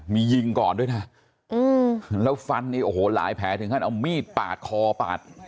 มียิงก่อนด้วยนะแล้วฟันนี่โอ้โหหลายแผลถึงขั้นเอามีดปาดคอปาด